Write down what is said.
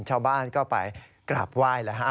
ชาวบ้านก็ไปกราบไหว้แล้วฮะ